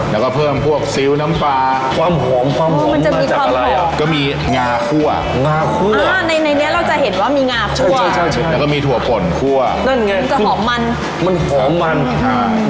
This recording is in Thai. มีงาคั่วใช่ใช่ใช่แล้วก็มีถั่วผ่อนคั่วนั่นไงมันจะหอมมันมันหอมมันค่ะ